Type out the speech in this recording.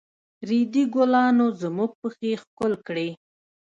د ريدي ګلانو زموږ پښې ښکل کړې.